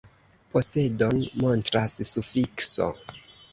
Posedon montras sufikso.